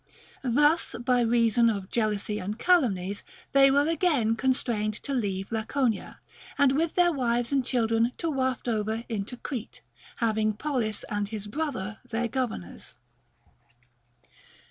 Thus, by reason of jealousy and calumnies, they were again constrained to leave La conia, and with their wives and children to waft over into THE GREEK QUESTIONS. 275 Crete, having Pollis and his brother their governors.